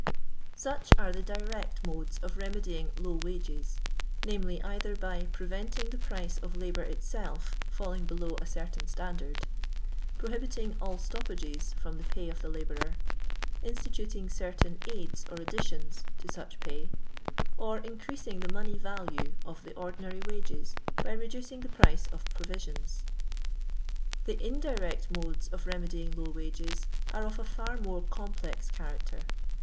Such are the dirtei modes of remedying ^low wages^ viz., either by preventing the price of labour itself fidling below a certain standard; prohibiting all stoppages from the pay of the la bourer; instituting certain aids or additions to such pay ; or increasing the money value of the ordinary wages by reducing the price of provisions. The indirect modes of remedying low wages are of a fitf more complex character.